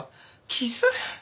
傷？